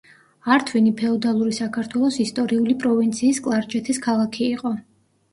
ართვინი ფეოდალური საქართველოს ისტორიული პროვინციის კლარჯეთის ქალაქი იყო.